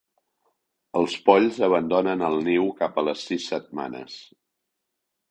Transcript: Els polls abandonen el niu cap a les sis setmanes.